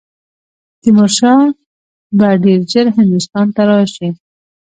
تیمور شاه به ډېر ژر هندوستان ته راشي.